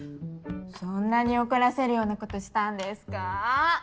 そんなに怒らせるようなことしたんですか？